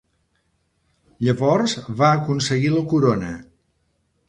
Llavors va aconseguir la corona.